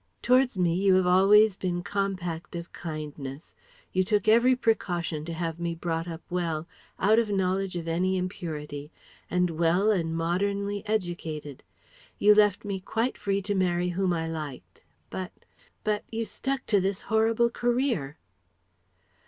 Towards me you have always been compact of kindness; you took every precaution to have me brought up well, out of knowledge of any impurity; and well and modernly educated. You left me quite free to marry whom I liked ... but ... but ... you stuck to this horrible career..."